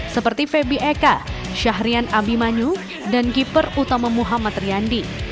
seperti feby eka syahrian abimanyu dan keeper utama muhammad riandi